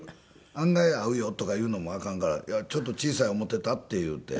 「案外合うよ」とか言うのもあかんから「いやちょっと小さい思てた」って言うて。